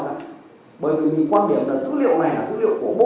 còn bây giờ dữ liệu là dữ liệu của chính phủ